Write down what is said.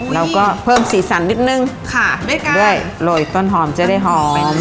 เราก็เพิ่มสีสันนิดนึงค่ะด้วยกันด้วยโรยต้นหอมจะได้หอม